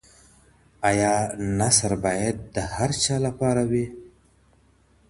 ایا نثر بايد د هر چا لپاره وي؟